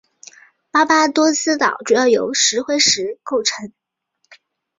巴巴多斯岛主要由石灰石构成。